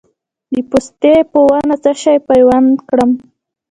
د پستې په ونه څه شی پیوند کړم؟